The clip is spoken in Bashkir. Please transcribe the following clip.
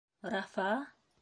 — Рафа-а?